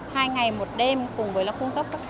hai ngày một đêm cùng với là cung cấp